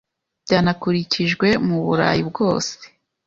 byanakurikijwe mu Burayi bwose .